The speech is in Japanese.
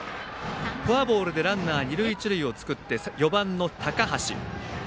フォアボールでランナー、二塁一塁を作って４番の高橋。